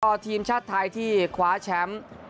พอทีมชาติไทยที่คว้าแชมป์